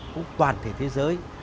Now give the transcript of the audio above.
cũng toàn thể thế giới